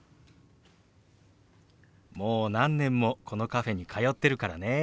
もう何年もこのカフェに通ってるからね。